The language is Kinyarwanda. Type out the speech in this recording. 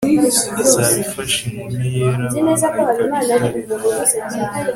izaba ifashe inkumi yera abamarayika bita lenore